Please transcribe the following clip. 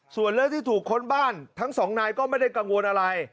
ส่วนเรื่องที่ถูกค้นบ้านทั้งสองนายก็ไม่ได้กังวลอะไร